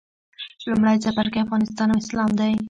لومړی څپرکی افغانستان او اسلام دی.